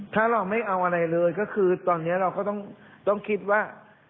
ถ้าเราไม่เอาอะไรเลยก็คือตอนนี้เราก็ต้องคิดว่า